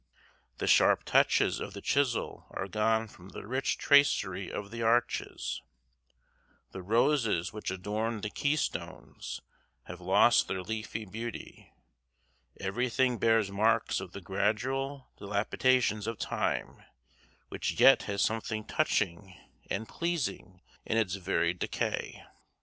The sharp touches of the chisel are gone from the rich tracery of the arches; the roses which adorned the keystones have lost their leafy beauty; everything bears marks of the gradual dilapidations of time, which yet has something touching and pleasing in its very decay.